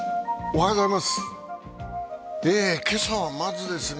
おはようございます。